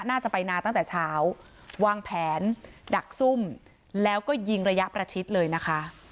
น่าจะไปนานตั้งแต่เช้าวางแผนดักซุ่มแล้วก็ยิงระยะประชิดเลยนะคะ